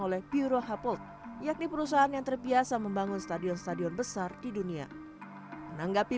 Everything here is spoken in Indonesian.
oleh pure hublet yakni perusahaan yang terbiasa membangun stadion stadion besar di dunia menanggapi